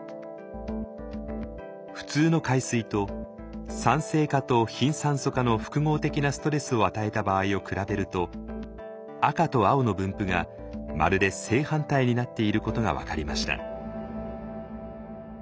普通の海水と酸性化と貧酸素化の複合的なストレスを与えた場合を比べると赤と青の分布がまるで正反対になっていることが分かりました。